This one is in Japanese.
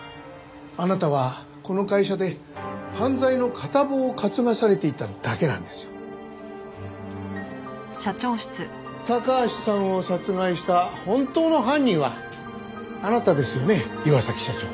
あなたはこの会社で犯罪の片棒を担がされていただけなんですよ。高橋さんを殺害した本当の犯人はあなたですよね岩崎社長。